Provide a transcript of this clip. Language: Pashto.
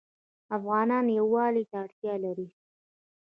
افغانان یووالي ته اړتیا لري.